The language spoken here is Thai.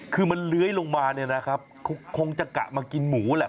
คือมันเลื้อยลงมาเนี่ยนะครับคงจะกะมากินหมูแหละ